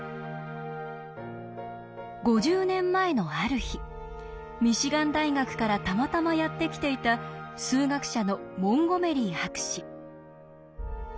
５０年前のある日ミシガン大学からたまたまやって来ていた数学者のモンゴメリー博士。